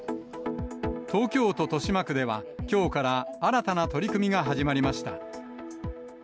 東京都豊島区では、きょうから新たな取り組みが始まりました。